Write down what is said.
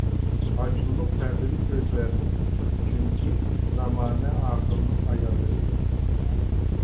ئاچمىدۇق پەردىلىك كۆزلەرنى چۈنكى، زامانە ئاخىرنىڭ ئاياللىرى بىز!